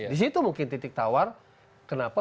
di situ mungkin titik tawar kenapa